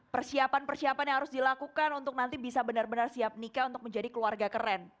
persiapan persiapan yang harus dilakukan untuk nanti bisa benar benar siap nikah untuk menjadi keluarga keren